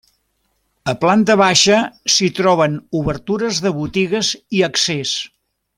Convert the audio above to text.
A planta baixa s'hi troben obertures de botigues i accés.